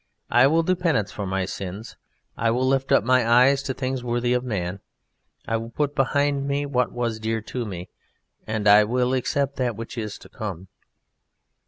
I will do penance for my sins. I will lift my eyes to things worthy of a man. I will put behind me what was dear to me, and I will accept that which is to come."